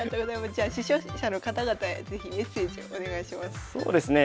じゃあ視聴者の方々へ是非メッセージをお願いします。